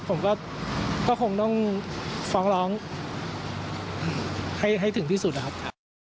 ผมก็คงต้องฟ้องร้องให้ถึงที่สุดนะครับ